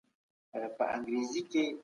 هغه مهال يې د خپلو موخو له پاره پلان جوړاوه.